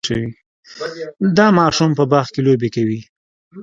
دا ماشوم په باغ کې لوبې کوي.